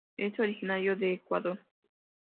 Es originario de Ecuador.